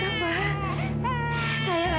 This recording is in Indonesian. kami percaya sama kakak